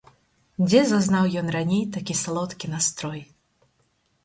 Дзе зазнаў ён раней такі салодкі настрой?